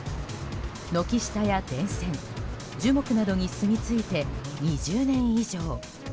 軒下や電線樹木などにすみついて２０年以上。